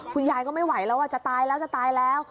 คุณยายก็ไม่ไหวแล้วจะตายแล้วจะตายแล้ว